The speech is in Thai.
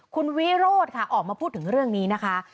คุณวิโรธค่ะออกมาพูดถึงเรื่องนี้นะคะ